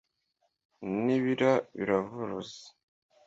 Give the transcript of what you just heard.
n'ibira biravuruze